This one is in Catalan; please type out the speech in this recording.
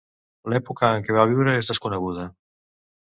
L'època en què va viure és desconeguda.